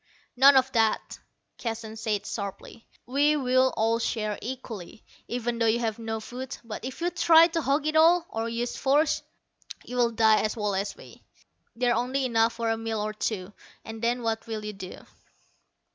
"None of that," Keston said sharply. "We'll all share equally, even though you have no food. But if you try to hog it all, or use force, you'll die as well as we. There's only enough for a meal or two; and then what will you do?"